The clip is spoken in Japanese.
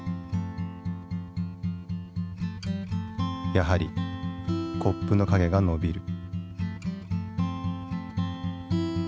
やはりコップの影が伸びる。